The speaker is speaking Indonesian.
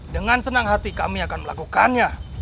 dengan senang hati kami akan melakukannya